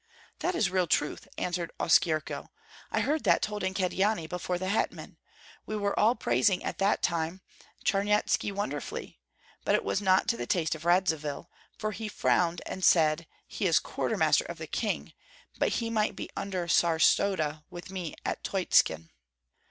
"That is real truth," answered Oskyerko. "I heard that told in Kyedani before the hetman. We were all praising at that time Charnyetski wonderfully, but it was not to the taste of Radzivill, for he frowned and said, 'He is quartermaster of the king, but he might be under starosta with me at Tykotsin.'"